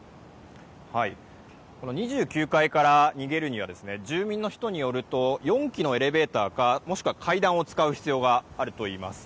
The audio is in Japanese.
２９階から逃げるには住民の人によると４基のエレベーターかもしくは階段を使う必要があるといいます。